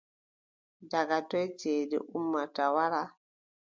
Daga toy ceede ummata wara ?